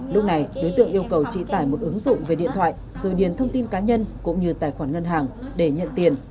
lúc này đối tượng yêu cầu chị tải một ứng dụng về điện thoại rồi điền thông tin cá nhân cũng như tài khoản ngân hàng để nhận tiền